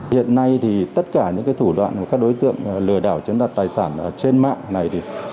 hiện nay thì tất cả những thủ đoạn của các đối tượng lừa đảo chiếm đặt tài sản trên mạng này